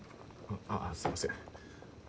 あっすいません。